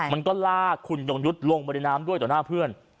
มันก็ลากคุณยงยุทธ์ลงมาในน้ำด้วยต่อหน้าเพื่อน